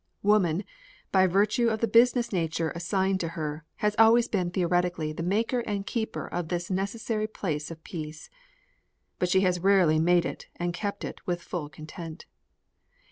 Woman, by virtue of the business nature assigns her, has always been theoretically the maker and keeper of this necessary place of peace. But she has rarely made it and kept it with full content.